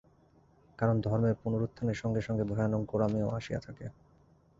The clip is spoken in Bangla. কারণ ধর্মের পুনরুত্থানের সঙ্গে সঙ্গে ভয়ানক গোঁড়ামিও আসিয়া থাকে।